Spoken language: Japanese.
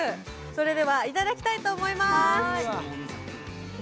それではいただきたいと思います。